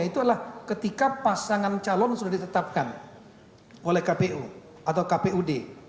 itu adalah ketika pasangan calon sudah ditetapkan oleh kpu atau kpud